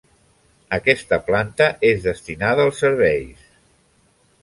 Aquesta planta és destinada els serveis.